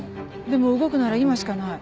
でも動くなら今しかない。